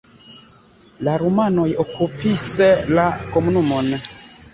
La rumanoj okupis la komunumon.